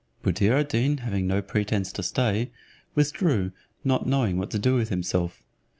Buddir ad Deen having no pretence to stay, withdrew, not knowing what to do with himself.